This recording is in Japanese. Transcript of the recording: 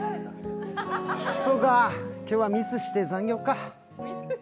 そうか、今日はミスして残業か。